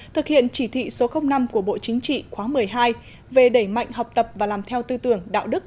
thực hiện chỉ thị số năm của bộ chính trị khóa một mươi hai về đẩy mạnh học tập và làm theo tư tưởng đạo đức